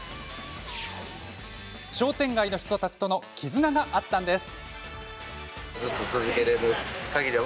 商店街の人たちとの絆があったんです。